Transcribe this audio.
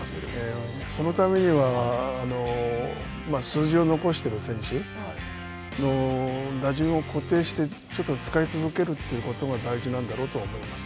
そのためには、数字を残してる選手の打順を固定してちょっと使い続けるということが大事なんだろうと思います。